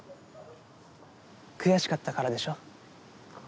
悔しかったからでしょ。